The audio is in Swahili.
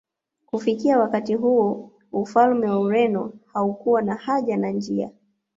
Kufikia wakati huo ufalme wa Ureno haukuwa na haja na njia